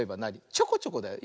ちょこちょこだよ。